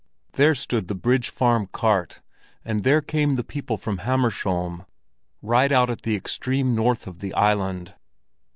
There stood the Bridge Farm cart, and there came the people from Hammersholm, right out at the extreme north of the island.